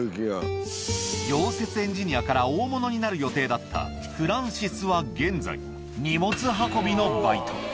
溶接エンジニアから大物になる予定だったフランシスは現在、荷物運びのバイト。